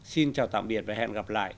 xin chào tạm biệt và hẹn gặp lại